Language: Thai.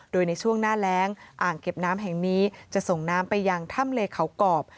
โดยในช่วงหน้าแรงอ่างเก็บน้ำแห่งนี้จะส่งน้ำไปยังถ้ำเลเขากรอบ